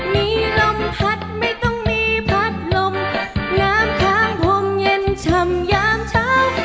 มีลมพัดไม่ต้องมีพัดลมน้ำค้างพรมเย็นชำยามเช้า